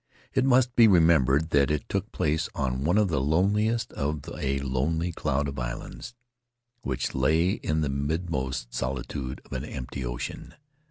It must be remembered that it took place on one of the loneliest of a lonely cloud of islands which lay in the midmost solitude of an empty ocean.